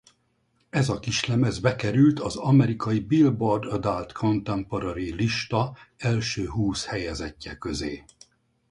Ez a kislemez bekerült az amerikai Billboard Adult Contemporary lista első húsz helyezettje közé.